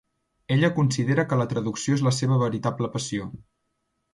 Ella considera que la traducció és la seva veritable passió.